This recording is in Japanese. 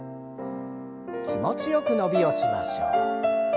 気持ちよく伸びをしましょう。